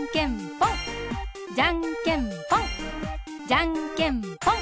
じゃんけんぽん！